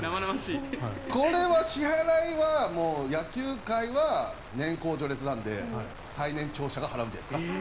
これは支払いは野球界は年功序列なので最年長者が払うんじゃないですか？